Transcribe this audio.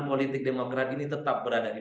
politik demokrat ini tetap berada di